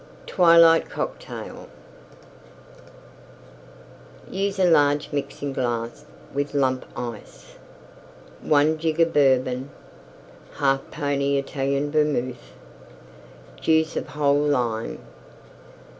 TWILIGHT COCKTAIL Use a large Mixing glass with Lump Ice. 1 jigger Bourbon. 1/2 pony Italian Vermouth. Juice of whole Lime.